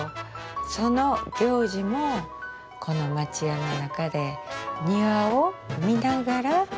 その行事もこの町家の中で庭を見ながら行われる。